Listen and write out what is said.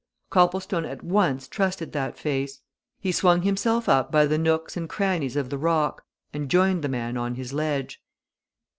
Copplestone at once trusted that face. He swung himself up by the nooks and crannies of the rock, and joined the man on his ledge.